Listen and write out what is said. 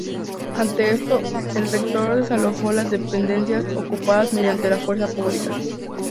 Ante esto, el rector desalojó las dependencias ocupadas mediante la fuerza pública.